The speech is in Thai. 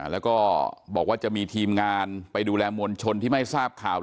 แล้วก็บอกว่าจะมีทีมงานไปดูแลมวลชนที่ไม่ทราบข่าว